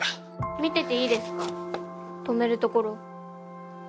見てていいですか止めるところ。